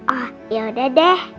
oh yaudah deh